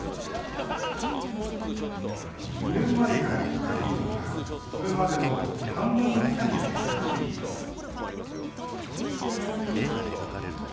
２年前から漁獲量が、それまでの半分以下に減ったといいます